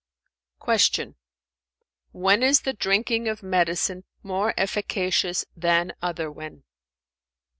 Q "When is the drinking of medicine more efficacious than otherwhen?"